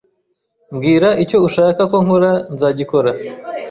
Mbwira icyo ushaka ko nkora nzagikora